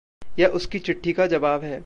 यह उसकी चिट्ठी का जवाब है।